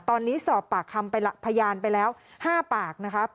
ตอนนี้สอบปากคำไปพยานไปแล้ว๕ปากนะครับ